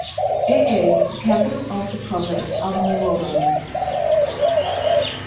It is the capital of the province of Nuoro.